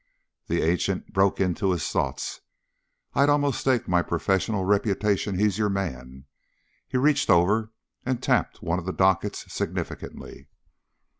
The agent broke into his thoughts. "I'd almost stake my professional reputation he's your man." He reached over and tapped one of the dockets significantly.